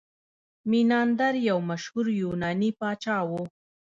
میناندر یو مشهور یوناني پاچا و